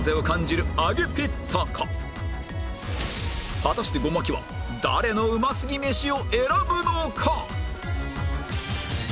果たしてゴマキは誰の美味すぎメシを選ぶのか？